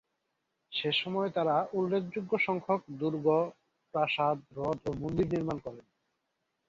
সেসময় তারা উল্লেখযোগ্য সংখ্যক দুর্গ, প্রাসাদ, হ্রদ, ও মন্দির নির্মাণ করেন।